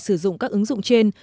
sử dụng các ứng dụng trên